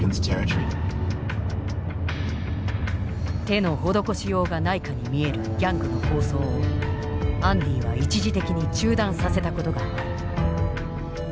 手の施しようがないかに見えるギャングの抗争をアンディは一時的に中断させたことがある。